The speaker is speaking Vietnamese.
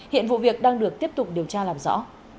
hiện vụ việc đang được tiếp tục điều tra làm rõ